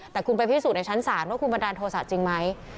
แต่คุณไปพิสูจนในชั้นศาลว่าคุณบันดาลโทษะจริงไหม